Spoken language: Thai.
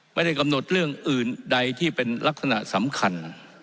ไม่ได้กำหนดเรื่องอื่นใดที่เป็นลักษณะสำคัญ